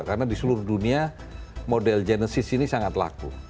karena di seluruh dunia model genesis ini sangat laku